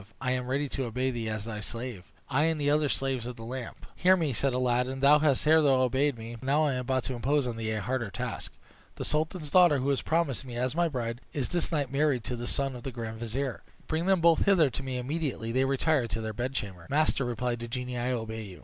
I am ready to obey thee as thy slave; I and the other slaves of the lamp." "Hear me," said Aladdin. "Thou hast hitherto obeyed me; but now I am about to impose on thee a harder task. The sultan's daughter, who was promised me as my bride, is this night married to the son of the grand vizier. Bring them both hither to me immediately they retire to their bedchamber." "Master," replied the genie, "I obey you."